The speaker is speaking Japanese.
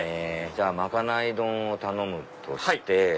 じゃあまかない丼を頼むとして。